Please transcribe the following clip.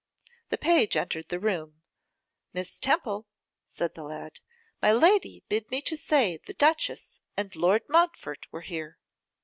The page entered the room. 'Miss Temple,' said the lad, 'my lady bid me say the duchess and Lord Montfort were here.